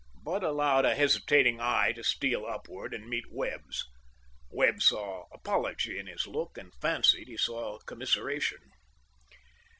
Bud allowed a hesitating eye to steal upward and meet Webb's. Webb saw apology in his look, and fancied he saw commiseration.